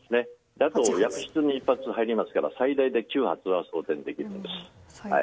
あとはもう１発入りますから最大で９発は装填できるものです。